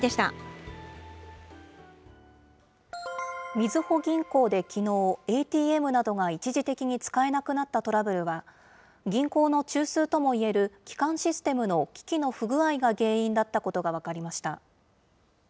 みずほ銀行できのう、ＡＴＭなどが一時的に使えなくなったトラブルは、銀行の中枢ともいえる基幹システムの機器の不具合が原因だったことが分かりました。